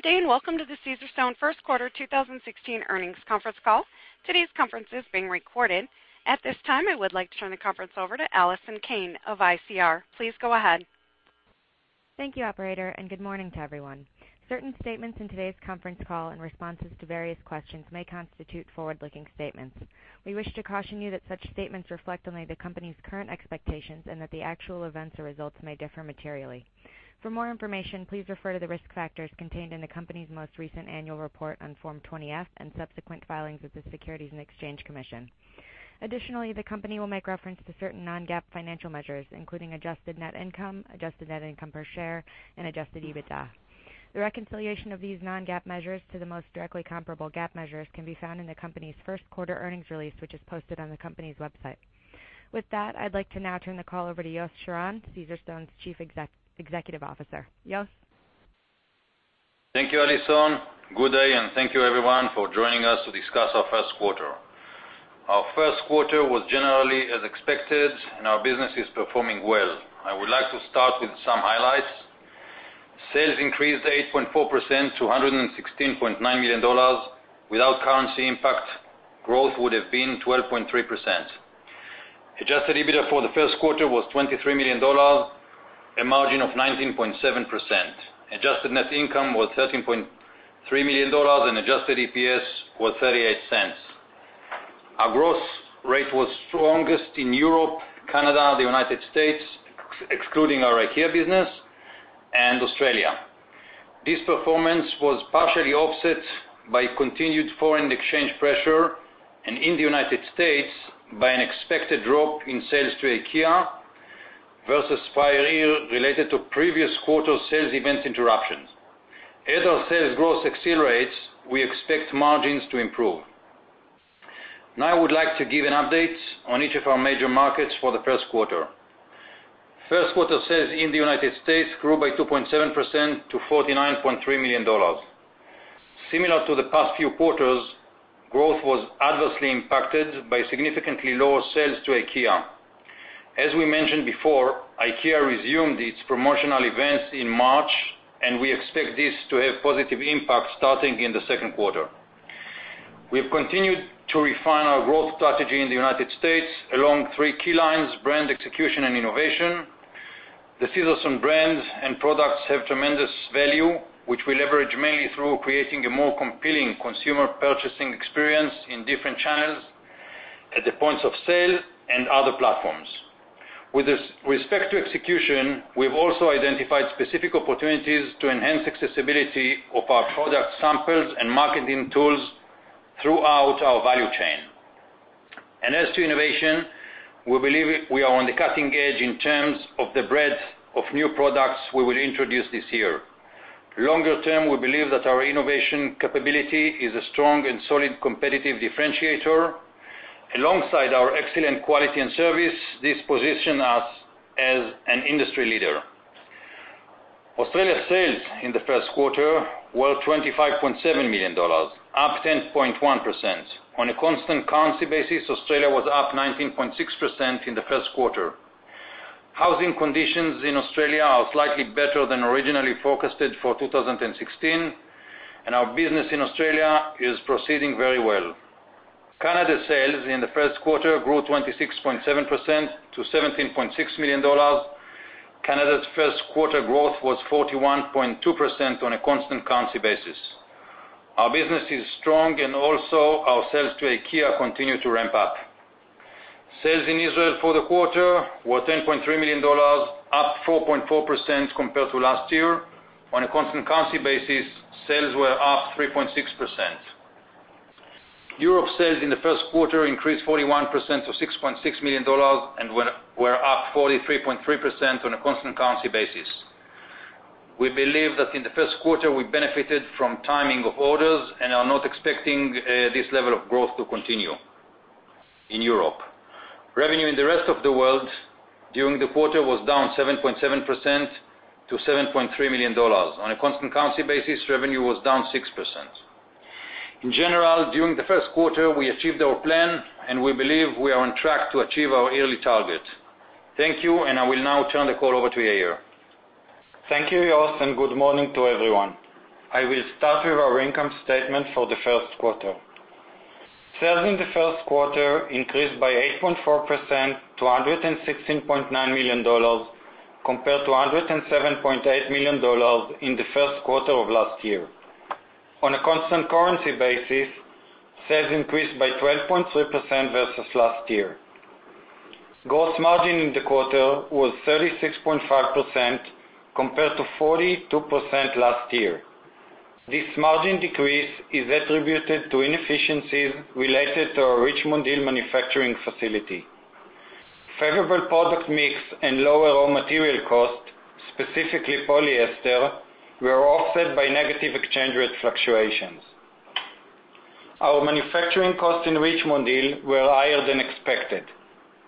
Good day, welcome to the Caesarstone first quarter 2016 earnings conference call. Today's conference is being recorded. At this time, I would like to turn the conference over to Allison Cain of ICR. Please go ahead. Thank you, operator, good morning to everyone. Certain statements in today's conference call and responses to various questions may constitute forward-looking statements. We wish to caution you that such statements reflect only the company's current expectations and that the actual events or results may differ materially. For more information, please refer to the risk factors contained in the company's most recent annual report on Form 20-F, subsequent filings with the Securities and Exchange Commission. Additionally, the company will make reference to certain non-GAAP financial measures, including adjusted net income, adjusted net income per share, adjusted EBITDA. The reconciliation of these non-GAAP measures to the most directly comparable GAAP measures can be found in the company's first quarter earnings release, which is posted on the company's website. With that, I'd like to now turn the call over to Yosef Shiran, Caesarstone's Chief Executive Officer. Yos? Thank you, Allison. Good day, thank you everyone for joining us to discuss our first quarter. Our first quarter was generally as expected, our business is performing well. I would like to start with some highlights. Sales increased 8.4% to $116.9 million. Without currency impact, growth would've been 12.3%. Adjusted EBITDA for the first quarter was $23 million, a margin of 19.7%. Adjusted net income was $13.3 million, adjusted EPS was $0.38. Our growth rate was strongest in Europe, Canada, the U.S., excluding our IKEA business, Australia. This performance was partially offset by continued foreign exchange pressure, in the U.S., by an expected drop in sales to IKEA versus prior year related to previous quarter sales events interruptions. Our sales growth accelerates, we expect margins to improve. I would like to give an update on each of our major markets for the first quarter. First quarter sales in the U.S. grew by 2.7% to $49.3 million. Similar to the past few quarters, growth was adversely impacted by significantly lower sales to IKEA. We mentioned before, IKEA resumed its promotional events in March, we expect this to have positive impact starting in the second quarter. We've continued to refine our growth strategy in the U.S. along three key lines, brand, execution, innovation. The Caesarstone brands and products have tremendous value, which we leverage mainly through creating a more compelling consumer purchasing experience in different channels, at the points of sale, other platforms. With respect to execution, we've also identified specific opportunities to enhance accessibility of our product samples and marketing tools throughout our value chain. As to innovation, we believe we are on the cutting edge in terms of the breadth of new products we will introduce this year. Longer term, we believe that our innovation capability is a strong and solid competitive differentiator. Alongside our excellent quality and service, this position us as an industry leader. Australia sales in the first quarter were $25.7 million, up 10.1%. On a constant currency basis, Australia was up 19.6% in the first quarter. Housing conditions in Australia are slightly better than originally forecasted for 2016, and our business in Australia is proceeding very well. Canada sales in the first quarter grew 26.7% to $17.6 million. Canada's first quarter growth was 41.2% on a constant currency basis. Our business is strong and also our sales to IKEA continue to ramp up. Sales in Israel for the quarter were $10.3 million, up 4.4% compared to last year. On a constant currency basis, sales were up 3.6%. Europe sales in the first quarter increased 41% to $6.6 million and were up 43.3% on a constant currency basis. We believe that in the first quarter, we benefited from timing of orders and are not expecting this level of growth to continue in Europe. Revenue in the rest of the world during the quarter was down 7.7% to $7.3 million. On a constant currency basis, revenue was down 6%. In general, during the first quarter, we achieved our plan, and we believe we are on track to achieve our yearly target. Thank you, and I will now turn the call over to Yair. Thank you, Yosef, and good morning to everyone. I will start with our income statement for the first quarter. Sales in the first quarter increased by 8.4% to $116.9 million, compared to $107.8 million in the first quarter of last year. On a constant currency basis, sales increased by 12.3% versus last year. Gross margin in the quarter was 36.5% compared to 42% last year. This margin decrease is attributed to inefficiencies related to our Richmond Hill manufacturing facility. Favorable product mix and lower raw material cost, specifically polyester, were offset by negative exchange rate fluctuations. Our manufacturing costs in Richmond Hill were higher than expected.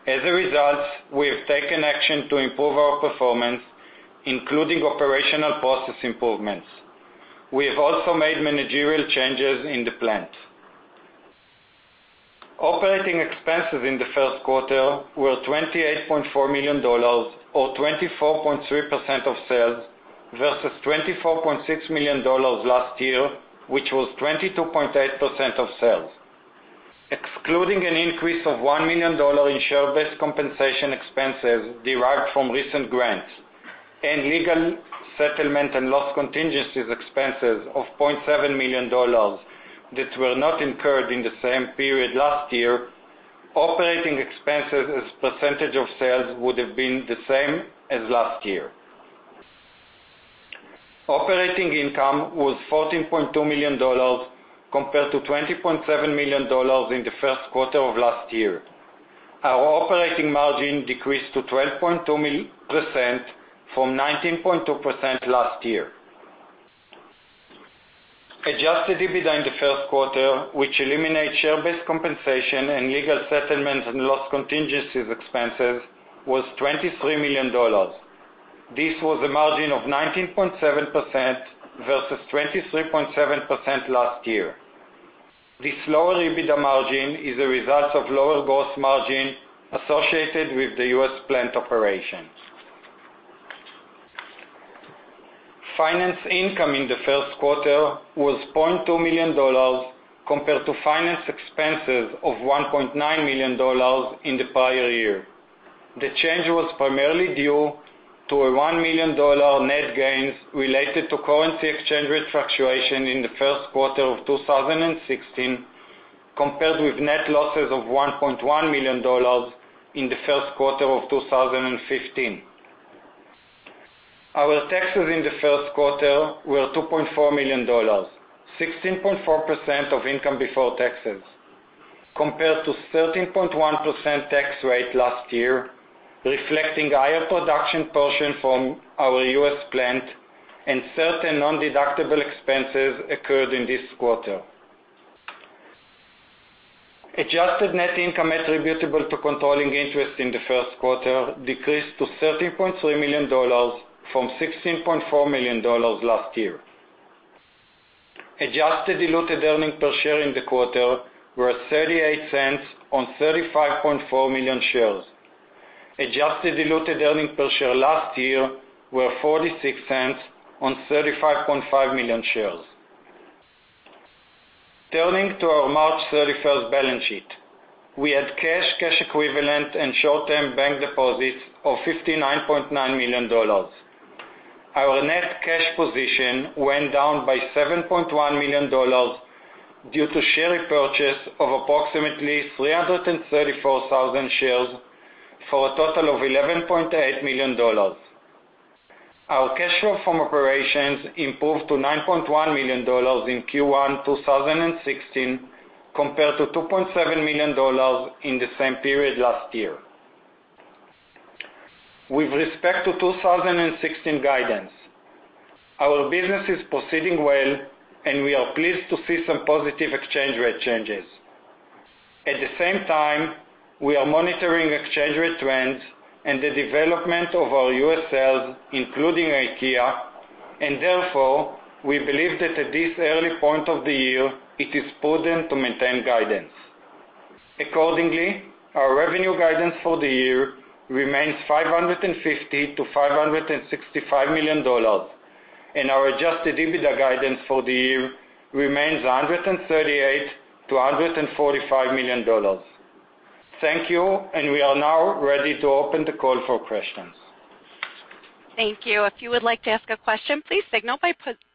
As a result, we have taken action to improve our performance, including operational process improvements. We have also made managerial changes in the plant. Operating expenses in the first quarter were $28.4 million or 24.3% of sales versus $24.6 million last year, which was 22.8% of sales. Excluding an increase of $1 million in share-based compensation expenses derived from recent grants, and legal settlement and loss contingencies expenses of $0.7 million that were not incurred in the same period last year, operating expenses as % of sales would have been the same as last year. Operating income was $14.2 million compared to $20.7 million in the first quarter of last year. Our operating margin decreased to 12.2% from 19.2% last year. Adjusted EBITDA in the first quarter, which eliminates share-based compensation and legal settlements and loss contingencies expenses, was $23 million. This was a margin of 19.7% versus 23.7% last year. This lower EBITDA margin is a result of lower gross margin associated with the U.S. plant operation. Finance income in the first quarter was $0.2 million compared to finance expenses of $1.9 million in the prior year. The change was primarily due to a $1 million net gains related to currency exchange rate fluctuation in the first quarter of 2016, compared with net losses of $1.1 million in the first quarter of 2015. Our taxes in the first quarter were $2.4 million, 16.4% of income before taxes, compared to 13.1% tax rate last year, reflecting higher production portion from our U.S. plant and certain nondeductible expenses occurred in this quarter. Adjusted net income attributable to controlling interest in the first quarter decreased to $13.3 million from $16.4 million last year. Adjusted diluted earnings per share in the quarter were $0.38 on 35.4 million shares. Adjusted diluted earnings per share last year were $0.46 on 35.5 million shares. Turning to our March 31st balance sheet. We had cash equivalent, and short-term bank deposits of $59.9 million. Our net cash position went down by $7.1 million due to share repurchase of approximately 334,000 shares for a total of $11.8 million. Our cash flow from operations improved to $9.1 million in Q1 2016 compared to $2.7 million in the same period last year. With respect to 2016 guidance, our business is proceeding well, and we are pleased to see some positive exchange rate changes. At the same time, we are monitoring exchange rate trends and the development of our U.S. sales, including IKEA, and therefore, we believe that at this early point of the year, it is prudent to maintain guidance. Our revenue guidance for the year remains $550 million-$565 million, and our adjusted EBITDA guidance for the year remains $138 million-$145 million. Thank you. We are now ready to open the call for questions. Thank you. If you would like to ask a question, please signal by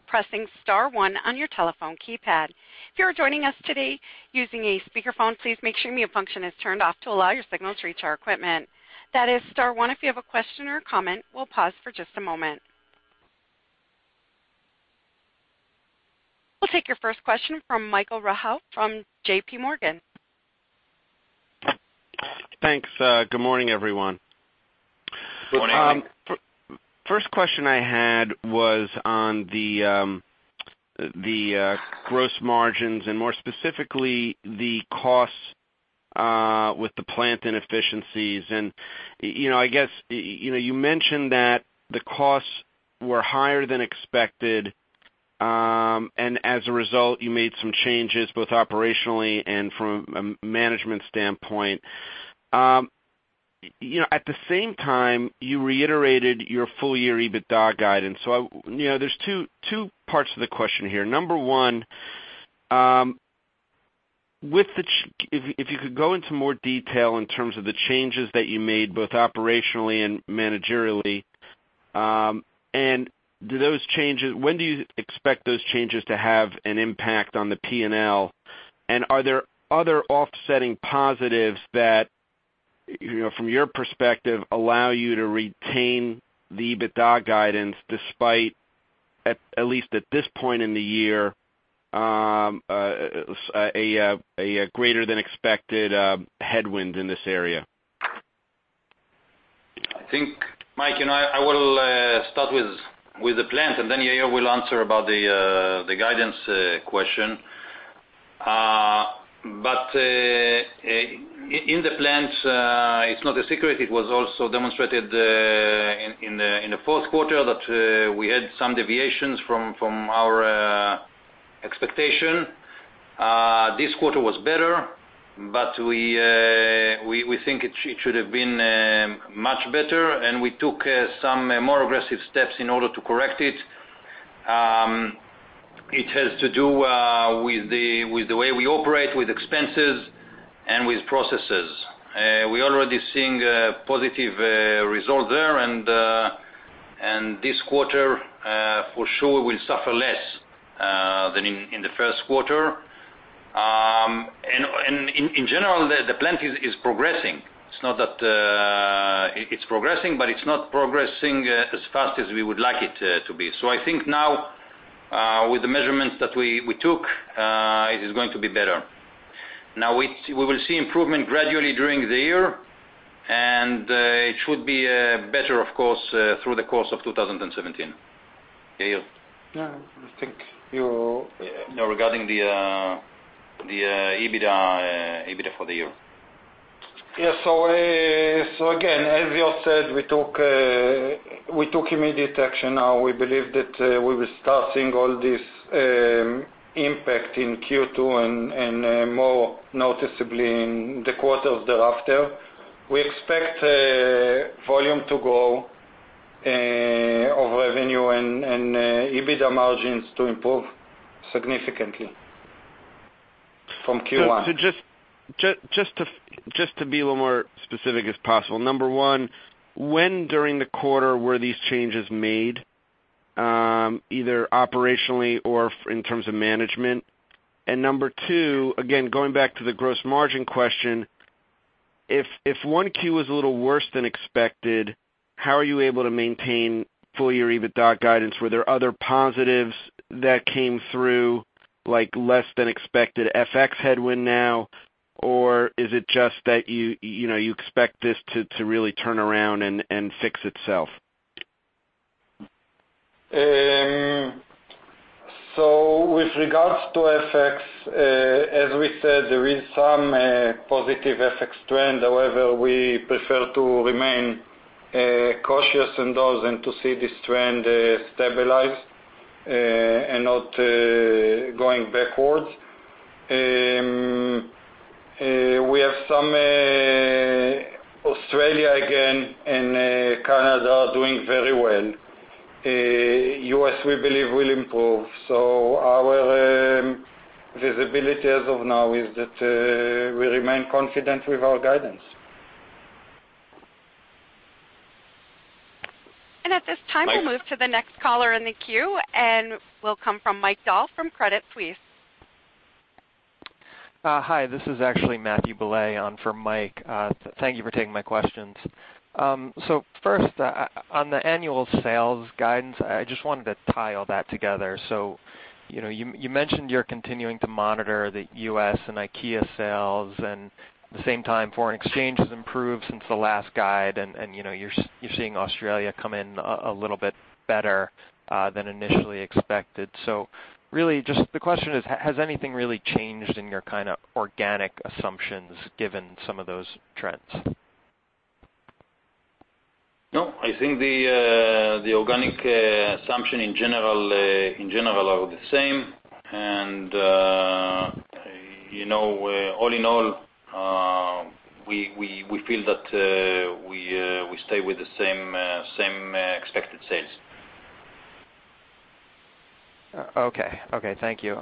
pressing star one on your telephone keypad. If you are joining us today using a speakerphone, please make sure mute function is turned off to allow your signal to reach our equipment. That is star one if you have a question or comment. We will pause for just a moment. We will take your first question from Michael Rehaut from J.P. Morgan. Thanks. Good morning, everyone. Good morning. First question I had was on the gross margins, and more specifically, the costs with the plant inefficiencies. I guess, you mentioned that the costs were higher than expected, and as a result, you made some changes both operationally and from a management standpoint. At the same time, you reiterated your full-year EBITDA guidance. There's two parts to the question here. Number one, if you could go into more detail in terms of the changes that you made, both operationally and managerially. When do you expect those changes to have an impact on the P&L? Are there other offsetting positives that, from your perspective, allow you to retain the EBITDA guidance despite, at least at this point in the year, a greater than expected headwind in this area? I think, Mike, I will start with the plant, Yair will answer about the guidance question. In the plant, it's not a secret, it was also demonstrated In the fourth quarter that we had some deviations from our expectation. This quarter was better, but we think it should have been much better, and we took some more aggressive steps in order to correct it. It has to do with the way we operate with expenses and with processes. We're already seeing a positive result there, and this quarter, for sure, will suffer less than in the first quarter. In general, the plan is progressing. It's progressing, but it's not progressing as fast as we would like it to be. I think now, with the measurements that we took, it is going to be better. Now, we will see improvement gradually during the year, and it should be better, of course, through the course of 2017. Yair. Yeah. I think. No, regarding the EBITDA for the year. Yeah. Again, as Yosef said, we took immediate action. Now we believe that we will start seeing all this impact in Q2 and more noticeably in the quarters thereafter. We expect volume to grow over revenue and EBITDA margins to improve significantly from Q1. Just to be a little more specific as possible. Number one, when during the quarter were these changes made, either operationally or in terms of management? Number two, again, going back to the gross margin question, if 1Q was a little worse than expected, how are you able to maintain full-year EBITDA guidance? Were there other positives that came through, like less than expected FX headwind now, or is it just that you expect this to really turn around and fix itself? With regards to FX, as we said, there is some positive FX trend. However, we prefer to remain cautious on those and to see this trend stabilize and not going backwards. We have Australia again, and Canada are doing very well. U.S., we believe, will improve. Our visibility as of now is that we remain confident with our guidance. At this time, we'll move to the next caller in the queue, and will come from Michael Dahl from Credit Suisse. Hi, this is actually Matthew Bouley on for Mike. Thank you for taking my questions. First, on the annual sales guidance, I just wanted to tie all that together. You mentioned you're continuing to monitor the U.S. and IKEA sales. At the same time, foreign exchange has improved since the last guide. You're seeing Australia come in a little bit better than initially expected. Really, the question is, has anything really changed in your kind of organic assumptions given some of those trends? No, I think the organic assumption, in general, are the same, and all in all, we feel that we stay with the same expected sales. Okay. Thank you.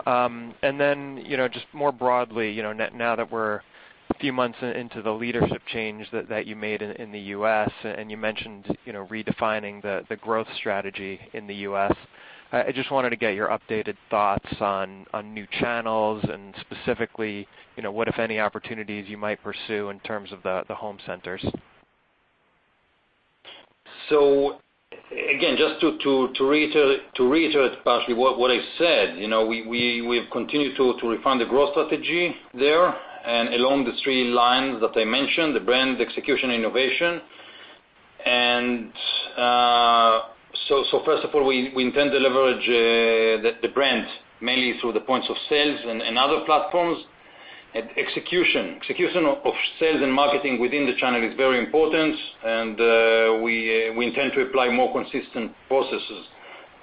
Then, just more broadly, now that we're a few months into the leadership change that you made in the U.S., and you mentioned redefining the growth strategy in the U.S., I just wanted to get your updated thoughts on new channels, and specifically, what, if any, opportunities you might pursue in terms of the home centers. Again, just to reiterate partially what I said, we've continued to refine the growth strategy there and along the three lines that I mentioned, the brand, execution, and innovation. First of all, we intend to leverage the brand mainly through the points of sales and other platforms. Execution of sales and marketing within the channel is very important, and we intend to apply more consistent processes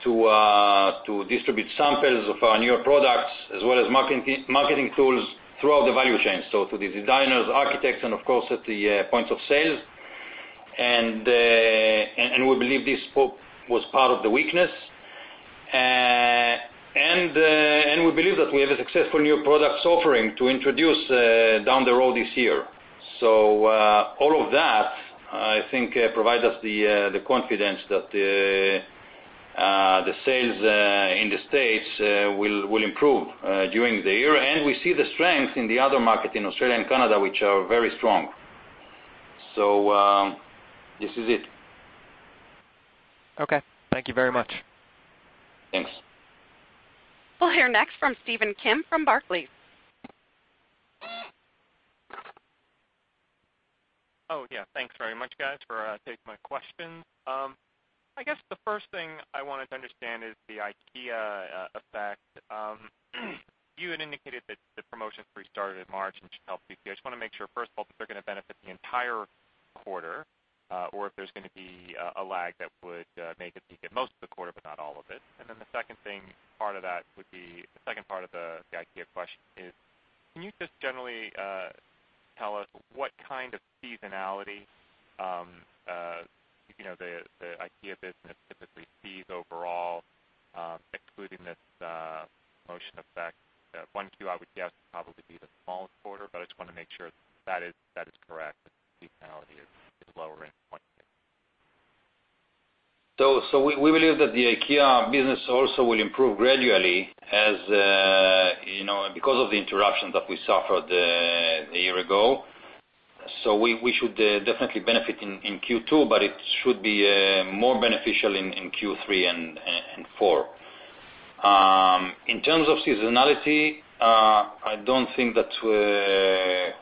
to distribute samples of our newer products as well as marketing tools throughout the value chain. To the designers, architects, and of course, at the points of sales, and we believe this was part of the weakness, and we believe that we have a successful new product offering to introduce down the road this year. All of that, I think, provide us the confidence that the sales in the States will improve during the year. We see the strength in the other market, in Australia and Canada, which are very strong. This is it. Okay. Thank you very much. Thanks. We'll hear next from Stephen Kim from Barclays. Oh, yeah. Thanks very much, guys, for taking my questions. I guess the first thing I wanted to understand is the IKEA effect. You had indicated that the promotions restarted in March and should help you. I just want to make sure, first of all, that they're going to benefit the entire quarter, or if there's going to be a lag that would make it peak at most of the quarter, but not all of it. Then the second part of the IKEA question is, can you just generally tell us what kind of seasonality, the IKEA business typically sees overall, excluding this promotion effect? 1Q, I would guess, would probably be the smallest quarter, but I just want to make sure that is correct, that the seasonality is lower in 1Q. We believe that the IKEA business also will improve gradually because of the interruptions that we suffered a year ago. We should definitely benefit in Q2, but it should be more beneficial in Q3 and 4. In terms of seasonality, I don't think that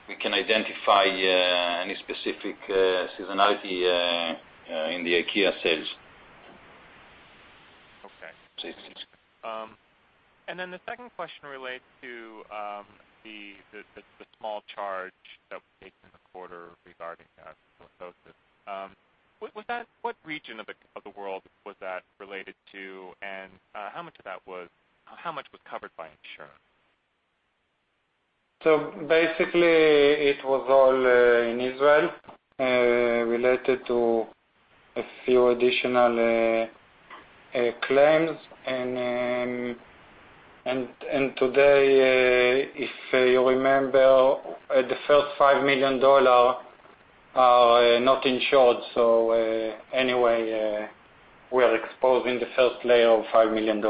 we can identify any specific seasonality in the IKEA sales. Okay. The second question relates to the small charge that was taken in the quarter regarding asbestos. What region of the world was that related to, and how much was covered by insurance? Basically, it was all in Israel, related to a few additional claims. Today, if you remember, the first $5 million are not insured, anyway, we are exposing the first layer of $5 million.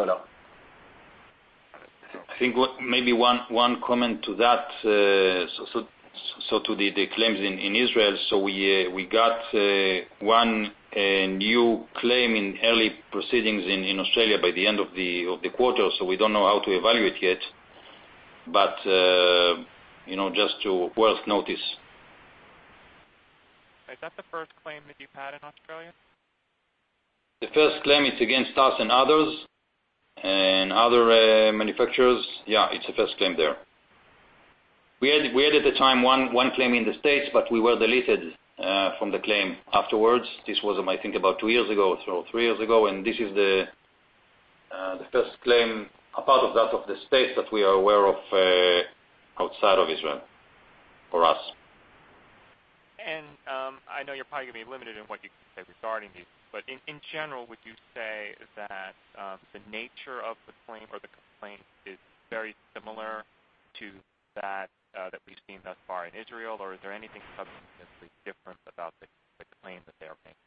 I think maybe one comment to that. To the claims in Israel, we got one new claim in early proceedings in Australia by the end of the quarter, we don't know how to evaluate yet, but just worth noting. Is that the first claim that you've had in Australia? The first claim is against us and others, and other manufacturers. Yeah, it's the first claim there. We had, at the time, one claim in the U.S., but we were deleted from the claim afterwards. This was, I think, about two years ago or three years ago, and this is the first claim, apart from that of the U.S., that we are aware of outside of Israel for us. I know you're probably going to be limited in what you can say regarding these, but in general, would you say that the nature of the claim or the complaint is very similar to that we've seen thus far in Israel, or is there anything substantively different about the claim that they are making?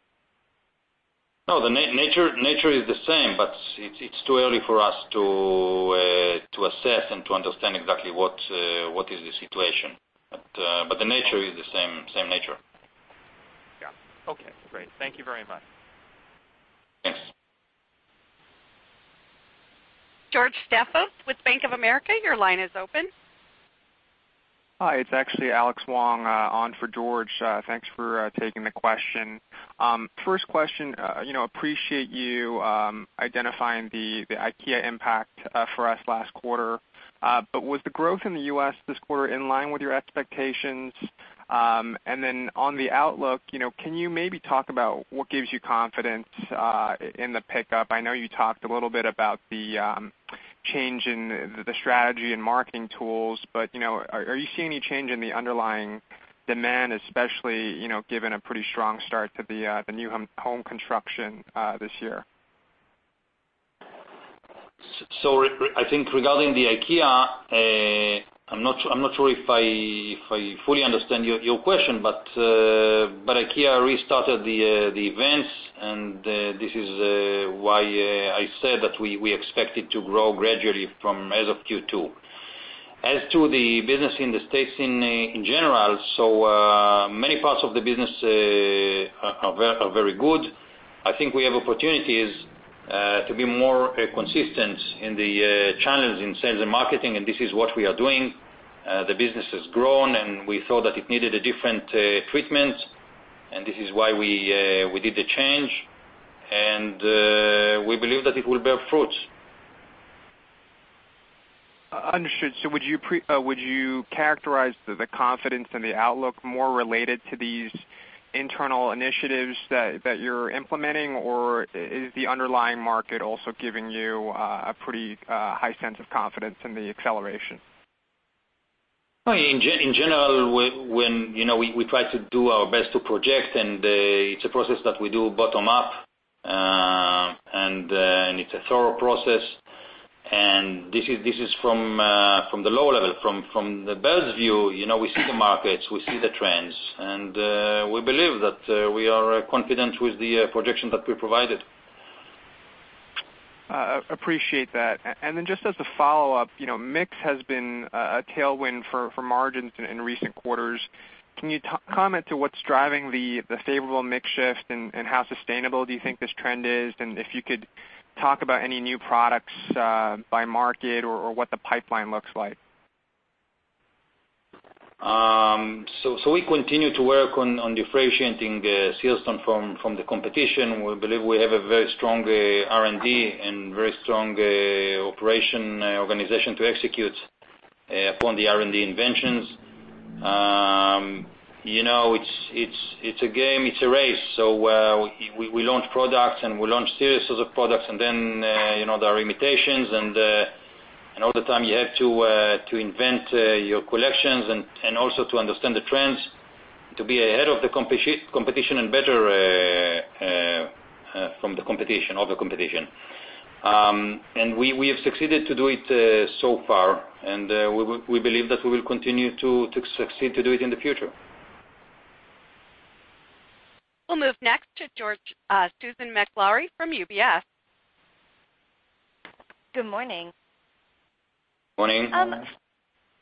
No, the nature is the same, but it's too early for us to assess and to understand exactly what is the situation. The nature is the same nature. Yeah. Okay, great. Thank you very much. Thanks. George Staphos with Bank of America, your line is open. Hi, it's actually Alex Wong on for George. Thanks for taking the question. First question. Appreciate you identifying the IKEA impact for us last quarter. Was the growth in the U.S. this quarter in line with your expectations? On the outlook, can you maybe talk about what gives you confidence in the pickup? I know you talked a little bit about the change in the strategy and marketing tools, but are you seeing any change in the underlying demand, especially given a pretty strong start to the new home construction this year? I think regarding the IKEA, I'm not sure if I fully understand your question, IKEA restarted the events, and this is why I said that we expect it to grow gradually from as of Q2. As to the business in the States in general, many parts of the business are very good. I think we have opportunities to be more consistent in the channels in sales and marketing, this is what we are doing. The business has grown, we thought that it needed a different treatment, this is why we did the change, we believe that it will bear fruits. Understood. Would you characterize the confidence and the outlook more related to these internal initiatives that you're implementing, or is the underlying market also giving you a pretty high sense of confidence in the acceleration? In general, when we try to do our best to project, and it's a process that we do bottom up, and it's a thorough process, and this is from the low level. From the bird's view, we see the markets, we see the trends, and we believe that we are confident with the projection that we provided. Appreciate that. Just as a follow-up, mix has been a tailwind for margins in recent quarters. Can you comment to what's driving the favorable mix shift, and how sustainable do you think this trend is? If you could talk about any new products by market or what the pipeline looks like. We continue to work on differentiating Caesarstone from the competition. We believe we have a very strong R&D and very strong operation organization to execute. Upon the R&D inventions. It's a game, it's a race. We launch products, and we launch series of products, and then, there are limitations, and all the time you have to invent your collections and also to understand the trends to be ahead of the competition, and better from the competition. We have succeeded to do it so far, and we believe that we will continue to succeed to do it in the future. We'll move next to Susan Maklari from UBS. Good morning. Morning.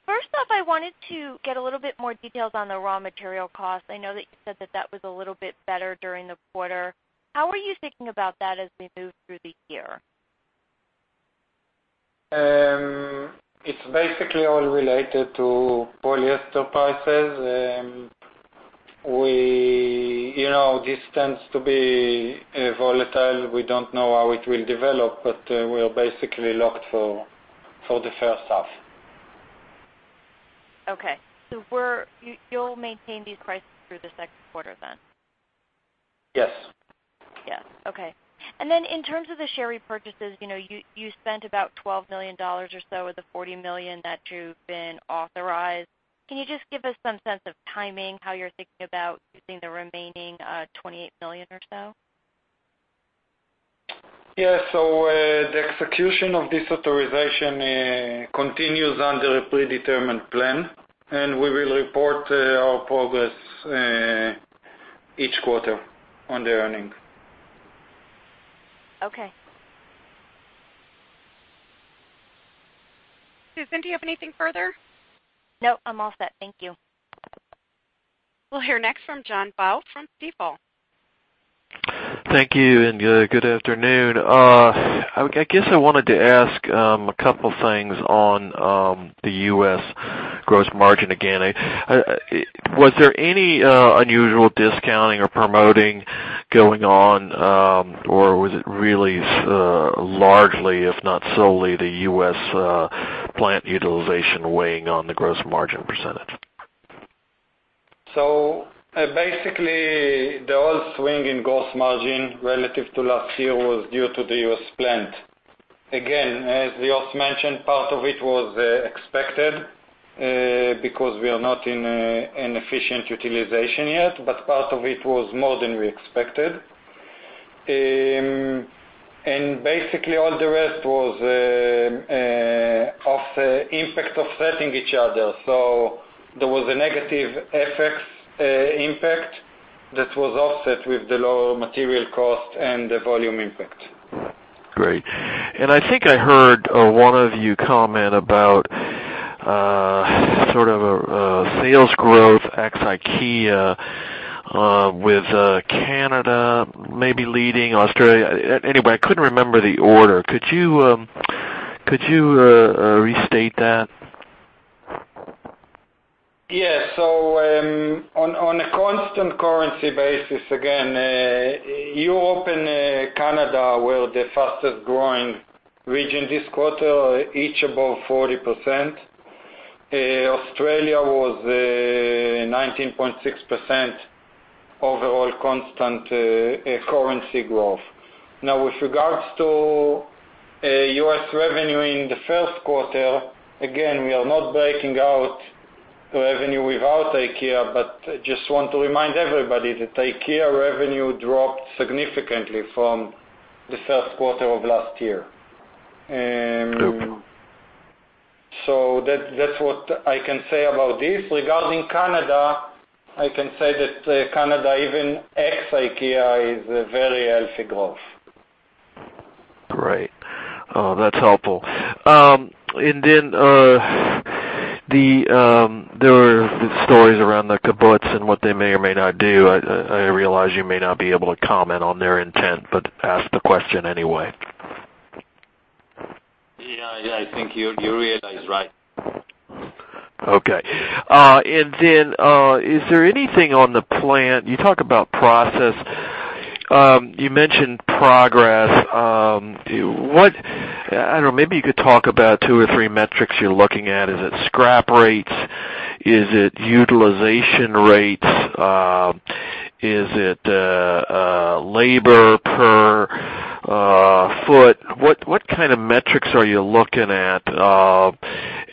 First off, I wanted to get a little bit more details on the raw material costs. I know that you said that that was a little bit better during the quarter. How are you thinking about that as we move through the year? It's basically all related to polyester prices. This tends to be volatile. We don't know how it will develop, but we're basically locked for the first half. You'll maintain these prices through the second quarter then? Yes. Yes. Okay. In terms of the share repurchases, you spent about $12 million or so of the $40 million that you've been authorized. Can you just give us some sense of timing, how you're thinking about using the remaining $28 million or so? Yeah. The execution of this authorization continues under a predetermined plan, and we will report our progress, each quarter on the earnings. Okay. Susan, do you have anything further? No, I'm all set. Thank you. We'll hear next from John Baugh from Stifel. Thank you. Good afternoon. I guess I wanted to ask a couple things on the U.S. gross margin again. Was there any unusual discounting or promoting going on? Or was it really largely, if not solely, the U.S. plant utilization weighing on the gross margin percentage? Basically, the whole swing in gross margin relative to last year was due to the U.S. plant. Again, as Yosef mentioned, part of it was expected, because we are not in efficient utilization yet, but part of it was more than we expected. Basically, all the rest was of the impact offsetting each other. There was a negative FX impact that was offset with the lower material cost and the volume impact. Great. I think I heard one of you comment about sort of a sales growth ex IKEA, with Canada maybe leading Australia. Anyway, I couldn't remember the order. Could you restate that? Yeah. On a constant currency basis, again, Europe and Canada were the fastest-growing region this quarter, each above 40%. Australia was 19.6% overall constant currency growth. With regards to U.S. revenue in the first quarter, again, we are not breaking out revenue without IKEA, but I just want to remind everybody that IKEA revenue dropped significantly from the first quarter of last year. Okay. That's what I can say about this. Regarding Canada, I can say that Canada, even ex IKEA, is a very healthy growth. Great. Oh, that's helpful. Then, there were stories around the kibbutz and what they may or may not do. I realize you may not be able to comment on their intent, but ask the question anyway. Yeah, I think you realize right. Okay. Is there anything on the plant? You talk about process. You mentioned progress. I don't know, maybe you could talk about two or three metrics you're looking at. Is it scrap rates? Is it utilization rates? Is it labor per foot? What kind of metrics are you looking at?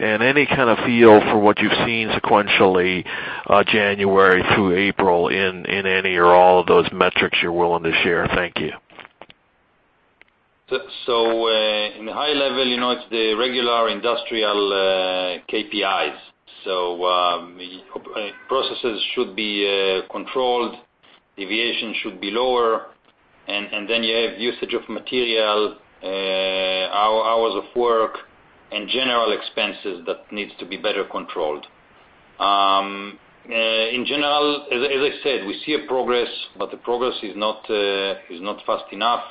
Any kind of feel for what you've seen sequentially, January through April, in any or all of those metrics you're willing to share? Thank you. In a high level, it's the regular industrial KPIs. Processes should be controlled, deviation should be lower. You have usage of material, hours of work, and general expenses that needs to be better controlled. In general, as I said, we see a progress, the progress is not fast enough.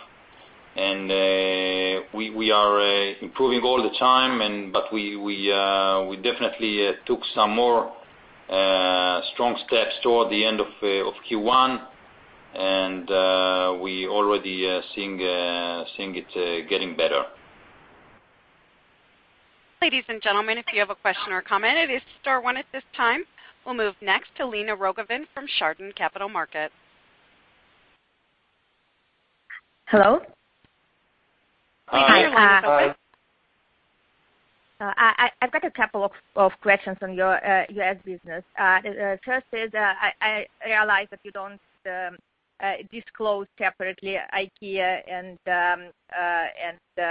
We are improving all the time, we definitely took some more strong steps toward the end of Q1. We already seeing it getting better. Ladies and gentlemen, if you have a question or comment, it is star one at this time. We will move next to Lena Rogovin from Chardan Capital Markets. Hello? Lena, line's open. Hi. I have got a couple of questions on your U.S. business. First is, I realize that you do not disclose separately IKEA and the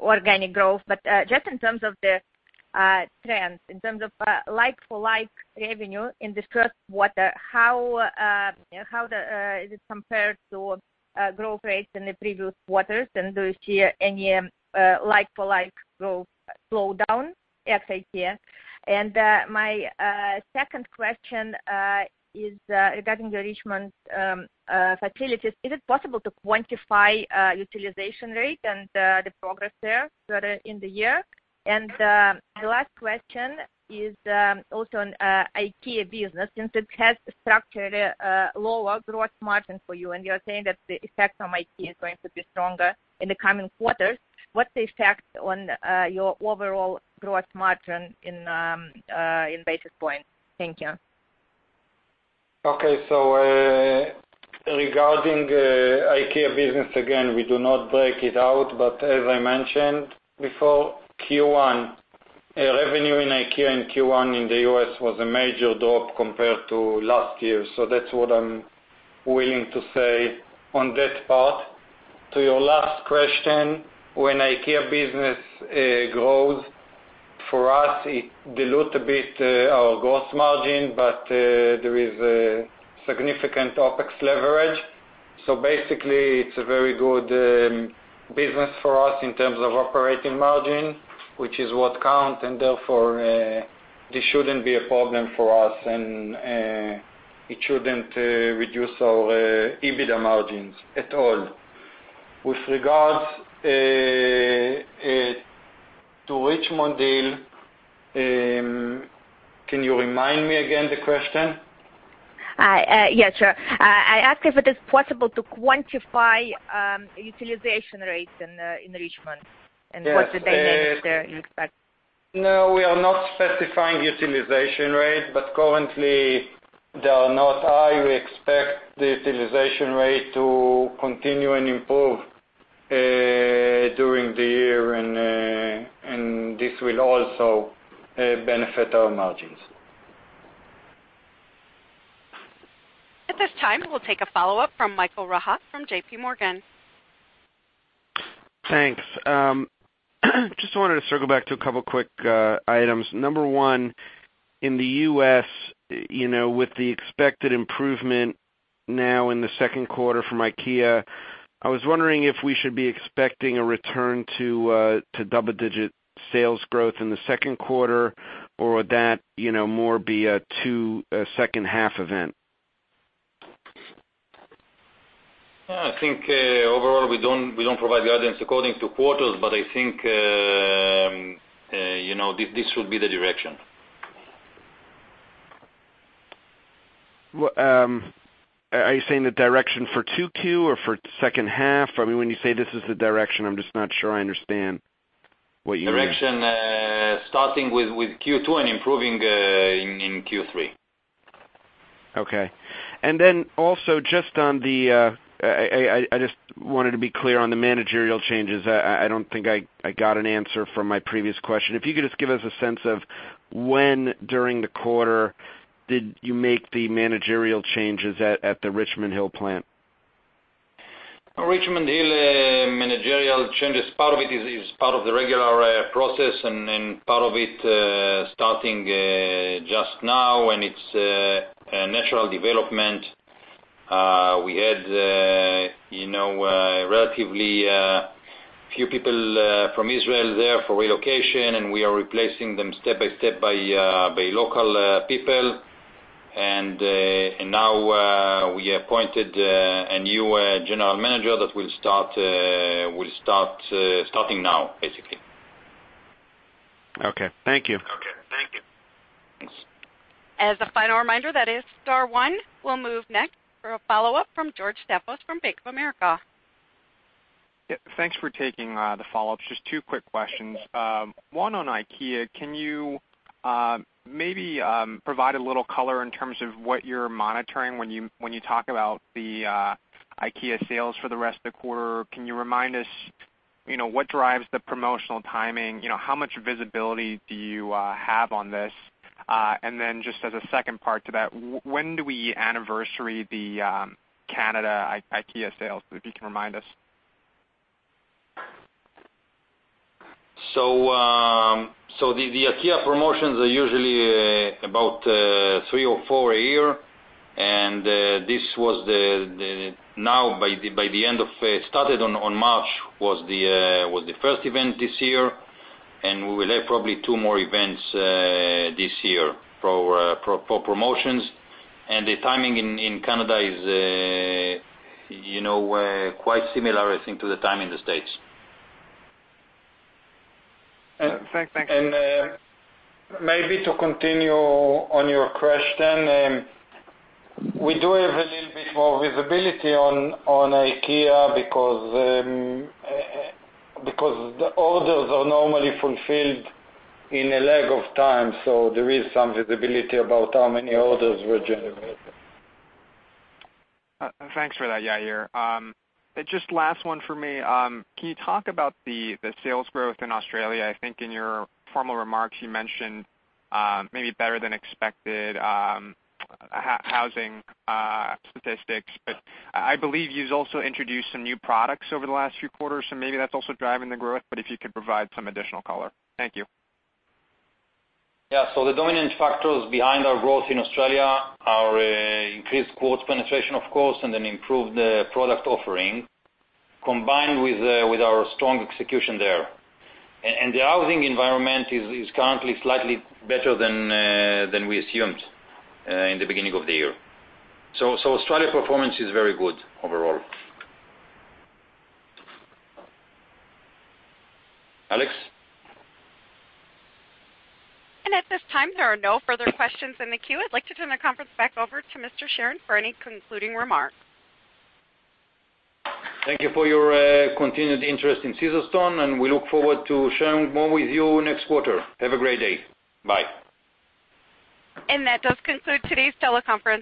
organic growth. Just in terms of the trends, in terms of like-for-like revenue in this first quarter, how is it compared to growth rates in the previous quarters, and do you see any like-for-like growth slowdown at IKEA? My second question is regarding the Richmond facilities. Is it possible to quantify utilization rate and the progress there in the year? The last question is also on IKEA business, since it has structured a lower gross margin for you, and you are saying that the effect on IKEA is going to be stronger in the coming quarters, what is the effect on your overall gross margin in basis points? Thank you. Regarding IKEA business, again, we do not break it out. But as I mentioned before, revenue in IKEA in Q1 in the U.S. was a major drop compared to last year. That is what I am willing to say on that part. To your last question, when IKEA business grows, for us, it dilutes a bit our gross margin, but there is a significant OpEx leverage. Basically, it is a very good business for us in terms of operating margin, which is what count, and therefore, this should not be a problem for us, and it should not reduce our EBITDA margins at all. With regards to Richmond Hill, can you remind me again the question? Yeah, sure. I asked if it is possible to quantify utilization rates in Richmond and what the dynamics there you expect. We are not specifying utilization rate, but currently they are not high. We expect the utilization rate to continue and improve during the year, and this will also benefit our margins. At this time, we'll take a follow-up from Michael Rehaut from J.P. Morgan. Thanks. Just wanted to circle back to a couple quick items. Number one, in the U.S., with the expected improvement now in the second quarter from IKEA, I was wondering if we should be expecting a return to double-digit sales growth in the second quarter, or would that more be a two second half event? I think, overall, we don't provide guidance according to quarters. I think this would be the direction. Are you saying the direction for 2Q or for second half? When you say this is the direction, I'm just not sure I understand what you mean. Direction, starting with Q2 and improving in Q3. Okay. Also, I just wanted to be clear on the managerial changes. I don't think I got an answer from my previous question. If you could just give us a sense of when during the quarter did you make the managerial changes at the Richmond Hill plant? Richmond Hill managerial changes, part of it is part of the regular process and part of it starting just now, and it's a natural development. We had relatively few people from Israel there for relocation, and we are replacing them step-by-step by local people. Now we appointed a new general manager that will be starting now, basically. Okay. Thank you. As a final reminder, that is star one. We'll move next for a follow-up from George Staphos from Bank of America. Yeah. Thanks for taking the follow-ups. Just two quick questions. One on IKEA, can you maybe provide a little color in terms of what you're monitoring when you talk about the IKEA sales for the rest of the quarter? Can you remind us what drives the promotional timing? How much visibility do you have on this? Then just as a second part to that, when do we anniversary the Canada IKEA sales, if you can remind us? The IKEA promotions are usually about three or four a year. This was started on March, was the first event this year, and we will have probably two more events this year for promotions. The timing in Canada is quite similar, I think, to the time in the U.S. Thanks. Maybe to continue on your question, we do have a little bit more visibility on IKEA because the orders are normally fulfilled in a lag of time, so there is some visibility about how many orders were generated. Thanks for that, Yair. Just last one for me. Can you talk about the sales growth in Australia? I think in your formal remarks, you mentioned maybe better than expected housing statistics, but I believe you've also introduced some new products over the last few quarters, so maybe that's also driving the growth, but if you could provide some additional color. Thank you. Yeah. The dominant factors behind our growth in Australia are increased quotes penetration, of course, and then improved product offering, combined with our strong execution there. The housing environment is currently slightly better than we assumed in the beginning of the year. Australia performance is very good overall. Alex? At this time, there are no further questions in the queue. I'd like to turn the conference back over to Mr. Shiran for any concluding remarks. Thank you for your continued interest in Caesarstone, and we look forward to sharing more with you next quarter. Have a great day. Bye. That does conclude today's teleconference.